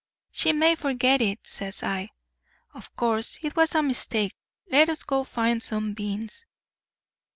"'She may forget it,' says I. 'Of course it was a mistake. Let's go find some beans.